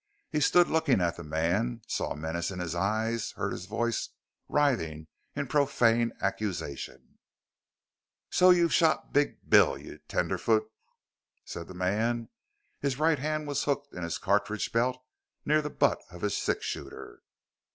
He stood looking at the man, saw menace in his eyes, heard his voice, writhing in profane accusation: "So you've shot Beeg Beel, you tenderfoot !" said the man. His right hand was hooked in his cartridge belt, near the butt of his six shooter.